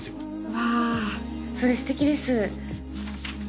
わぁそれすてきです。